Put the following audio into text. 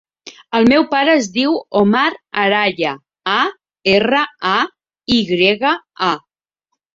El meu pare es diu Omar Araya: a, erra, a, i grega, a.